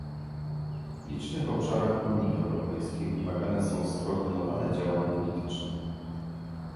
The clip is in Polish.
W licznych obszarach Unii Europejskiej wymagane są skoordynowane działania polityczne